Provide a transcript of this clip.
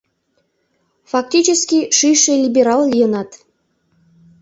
Фактически шӱйшӧ либерал лийынат.